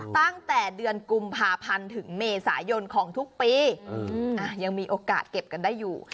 ตั้งแต่เดือนกุมภาพันธ์ถึงเมษายนของทุกปียังมีโอกาสเก็บกันได้อยู่